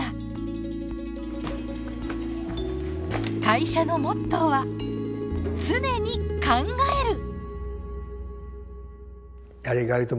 会社のモットーは「常に考える！」。